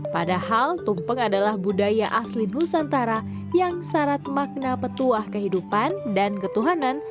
padahal tumpeng adalah budaya asli nusantara yang syarat makna petuah kehidupan dan ketuhanan